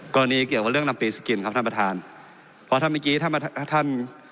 เกี่ยวกับเรื่องลำปีสกินครับท่านประธานเพราะถ้าเมื่อกี้ถ้ามาท่าน